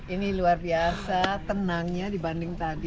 ini luar biasa tenangnya dibanding tadi